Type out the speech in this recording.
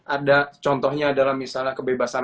ada contohnya adalah misalnya kebebasan